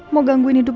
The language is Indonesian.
mau gangguin hidup